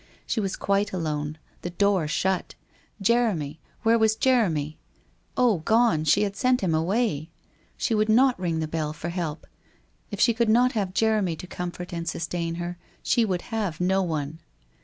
She was quite alone, the door shut ! Jeremy ! "Where was Jeremy ?... Oh gone, she had sent him away !... She would not ring the bell for help. If she could not have Jeremy to comfort and sustain her, she would have no one.